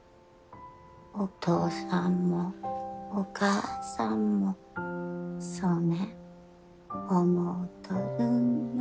お父さんもお母さんもそねん思うとるんよ。